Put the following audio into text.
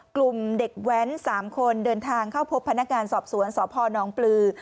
กลุ่มเด็กแว้น๓คนเดินทางเข้าพบพนักงานสอบสวนสพนปลือ